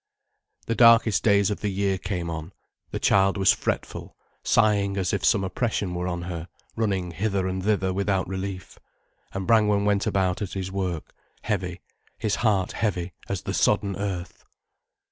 The darkest days of the year came on, the child was fretful, sighing as if some oppression were on her, running hither and thither without relief. And Brangwen went about at his work, heavy, his heart heavy as the sodden earth.